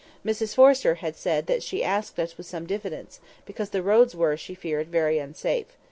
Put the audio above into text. Mrs Forrester had said that she asked us with some diffidence, because the roads were, she feared, very unsafe.